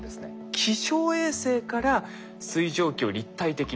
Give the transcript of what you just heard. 気象衛星から水蒸気を立体的にとらえよう。